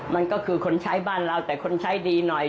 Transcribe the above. มันก็คือคนใช้บ้านเราแต่คนใช้ดีหน่อย